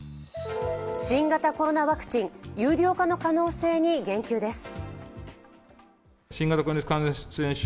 新型コロナワクチン、有料化の可能性に言及です。